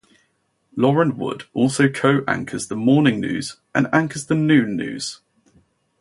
Lauren Wood also co-anchors the morning news and anchors the Noon news.